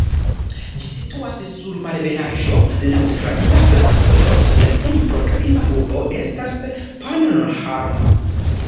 Ĝi situas sur malebenaĵo laŭ traira flankovojo, la plej proksima urbo estas Pannonhalma.